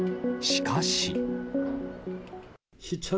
しかし。